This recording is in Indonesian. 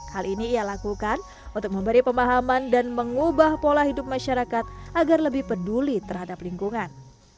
hal ini ia lakukan untuk memberi pemahaman dan mengubah pola hidup masyarakat agar lebih peduli terhadap lingkungan